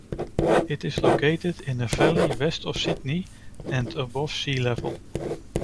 It is located in a valley west of Sydney and above sea-level.